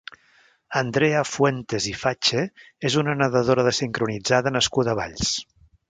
Andrea Fuentes i Fache és una nadadora de sincronitzada nascuda a Valls.